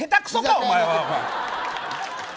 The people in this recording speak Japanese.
お前は。